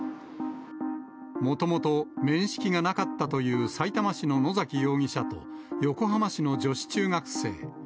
もともと面識がなかったというさいたま市の野崎容疑者と、横浜市の女子中学生。